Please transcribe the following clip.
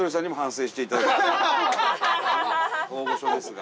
大御所ですが。